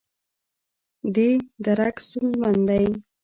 دې درک ستونزمن دی.